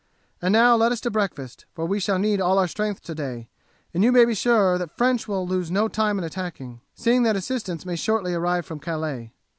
And now let us to breakfast, for we shall need all our strength today, and you may be sure that French will lose no time in attacking, seeing that assistance may shortly arrive from Calais."